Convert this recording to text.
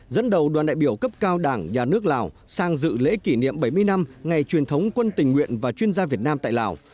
dẫn đầu đoàn đại biểu cấp cao đảng nhà nước lào sang dự lễ kỷ niệm bảy mươi năm ngày truyền thống quân tình nguyện và chuyên gia việt nam tại lào